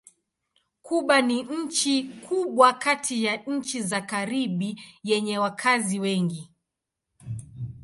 Kuba ni nchi kubwa kati ya nchi za Karibi yenye wakazi wengi.